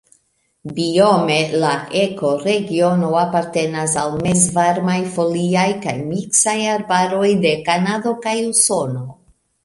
Biome la ekoregiono apartenas al mezvarmaj foliaj kaj miksaj arbaroj de Kanado kaj Usono.